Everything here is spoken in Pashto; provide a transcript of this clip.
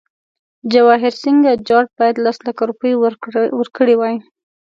جواهرسینګه جاټ باید لس لکه روپۍ ورکړي وای.